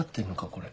これ。